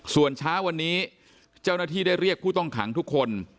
ส่วนเช้าวันนี้เจ้าหน้าที่ได้เรียกผู้ต้องขังทุกคน